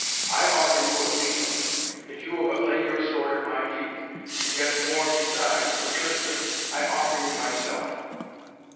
I offer you a kingdom, if you will but lay your sword at my feet and yet more besides, for, Tristan, I offer you myself."